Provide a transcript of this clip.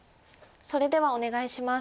それではお願いします。